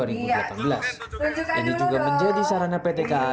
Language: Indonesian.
ini juga menjadi sarana pt kai